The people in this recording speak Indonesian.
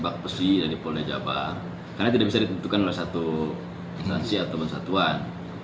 karena tidak bisa ditutupkan oleh satu instansi atau persatuan